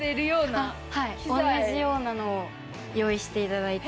同じようなのを用意していただいて。